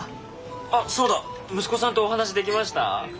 あっそうだ息子さんとお話しできました？